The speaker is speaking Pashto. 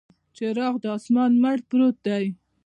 څراغ د اسمان، مړ پروت دی